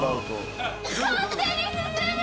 勝手に進む！